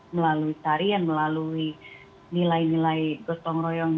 melalui tarian melalui nilai nilai gotong royong